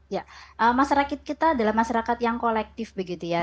ya masyarakat kita adalah masyarakat yang kolektif begitu ya